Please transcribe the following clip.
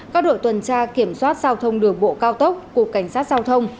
các đội tuần tra kiểm soát giao thông đường bộ cao tốc của cảnh sát giao thông